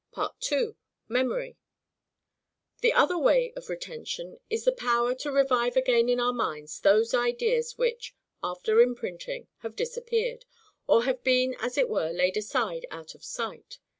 2. Memory. The other way of retention is, the power to revive again in our minds those ideas which, after imprinting, have disappeared, or have been as it were laid aside out of sight.